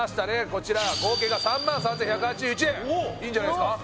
こちら合計が３３１８１円いいんじゃないですか